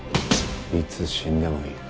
いつ死んでもいい。